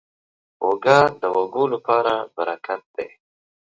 اوړه د وږو لپاره برکت دی